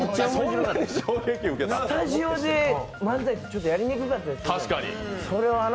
スタジオで漫才ってちょっとやりにくかったりするじゃない。